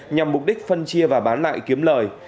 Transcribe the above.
nhằm mục đích phân chia và bán lại kiếm lời